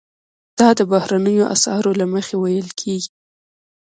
دا د بهرنیو اسعارو له مخې ویل کیږي.